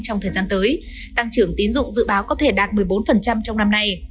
trong thời gian tới tăng trưởng tín dụng dự báo có thể đạt một mươi bốn trong năm nay